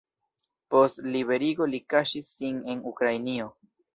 Post liberigo li kaŝis sin en Ukrainio.